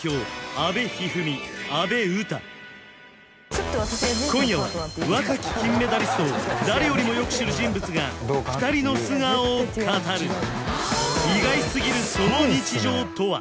阿部一二三阿部詩今夜は若き金メダリストを誰よりもよく知る人物が２人の素顔を語る意外すぎるその日常とは？